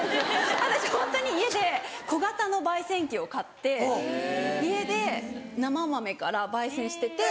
私ホントに家で小型の焙煎器を買って家で生豆から焙煎してて。